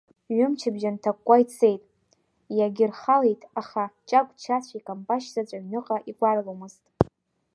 Ҩымчыбжьа нҭакәкәа ицеит, иагьырхылеит, аха Чаҵә Чагә икамбашь заҵә аҩныҟа игәарломызт.